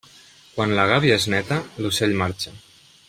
Quan la gàbia és neta, l'ocell marxa.